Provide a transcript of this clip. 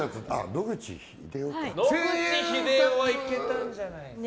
野口英世はいけたんじゃないですかね。